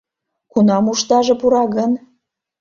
Кунам ушдаже пура гын?..